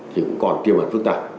thì cũng còn tiêu hẳn phức tạp